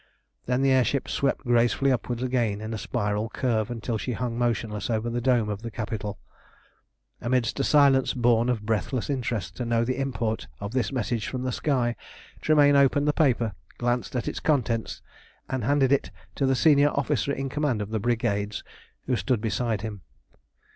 Then the air ship swept gracefully upward again in a spiral curve until she hung motionless over the dome of the Capitol. Amidst a silence born of breathless interest to know the import of this message from the sky, Tremayne opened the paper, glanced at its contents, and handed it to the senior officer in command of the brigades, who stood beside him.